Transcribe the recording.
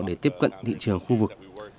để tiếp cận thị trường khu vực